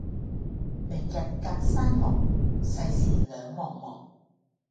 明日隔山岳，世事兩茫茫。